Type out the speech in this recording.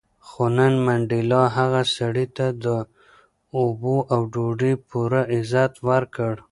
خو نن منډېلا هغه سړي ته د اوبو او ډوډۍ پوره عزت ورکړ.